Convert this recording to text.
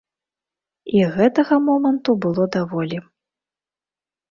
І гэтага моманту было даволі.